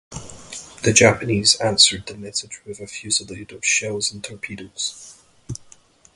The Japanese answered the message with a fusillade of shells and torpedoes.